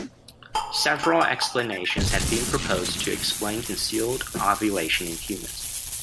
Several explanations have been proposed to explain concealed ovulation in humans.